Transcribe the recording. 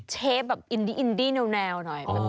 เป็นเทปแบบอินดีแนวหน่อย